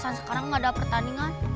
tujuh belas an sekarang gak ada pertandingan